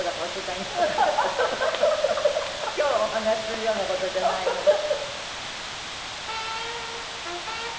今日お話しするような事じゃないので。